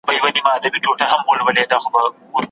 زما پیغام ته هم یو څه توجه وکړي.